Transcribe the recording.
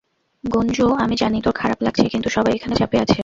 গুঞ্জু আমি জানি তোর খারাপ লাগছে কিন্তু সবাই এখানে চাপে আছে।